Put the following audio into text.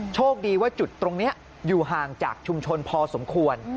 โชคดีว่าจุดตรงนี้อยู่ห่างจากชุมชนพอสมควร